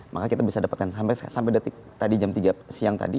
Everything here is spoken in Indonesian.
maka kita bisa dapatkan sampai jam tiga siang tadi